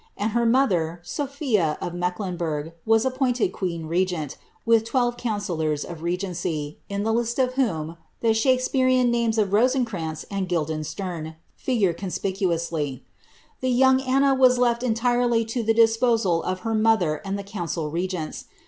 and her mother, Sophia of Mecklenburg, was appointed qur^a reirent, with twelve councillors of regency, in the list of whom ihe Shaks perian names of Itosencrantz and Guildeiistern figure conspicuou; ly. and Ahb7t. i .. J ANNE OF DBNMARK. J}45 The young Anna was lefl entirely to the disposal of her mother and the council regents.'